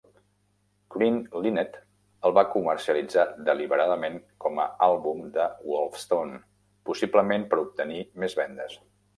Green Linnet el va comercialitzar deliberadament com a àlbum de Wolfstone, possiblement per obtenir més vendes.